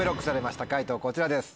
解答こちらです。